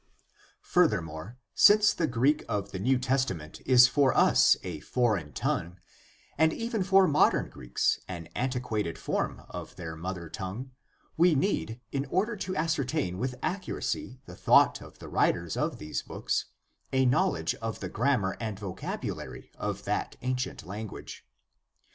Furthermore, since the Greek of the New Testament is for us a foreign tongue, and even for modern Greeks an antiquated form of their mother tongue, we need, in order to ascertain with accuracy the thought of the writers of these books, a knowledge of the grammar and vocabulary of that ancient language (cf. section I, 4, pp. 200 ff.).